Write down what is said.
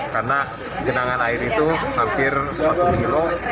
karena genangan air itu hampir satu kilo